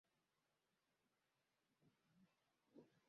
Shule hiyo imekuwa ikiutangaza na kuutunza utamaduni huo wa kipekee Zanzibar